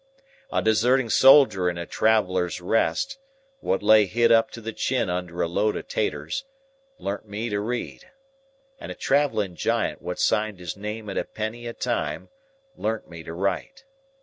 A deserting soldier in a Traveller's Rest, what lay hid up to the chin under a lot of taturs, learnt me to read; and a travelling Giant what signed his name at a penny a time learnt me to write.